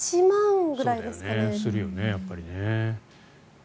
するよね、やっぱりね。